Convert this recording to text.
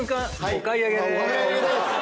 お買い上げでーす。